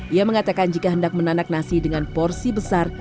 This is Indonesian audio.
ia mengatakan jika hendak menanak nasi dengan porsi besar